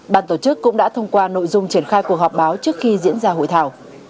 ban tổ chức cũng đã thông qua nội dung triển khai cuộc họp báo trước khi diễn ra hội thảo